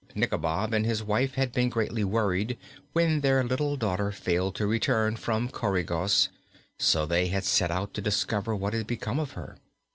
Nikobob and his wife had been greatly worried when their little daughter failed to return from Coregos, so they had set out to discover what had become of her.